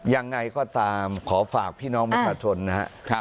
ยังไงก็ตามขอฝากพี่น้องประชาชนนะครับ